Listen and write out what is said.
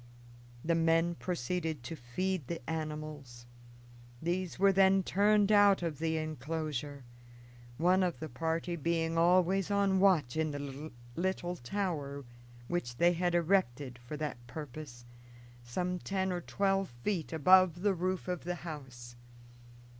The men proceeded to feed the animals; these were then turned out of the inclosure, one of the party being always on watch in the little tower which they had erected for that purpose some ten or twelve feet above the roof of the house.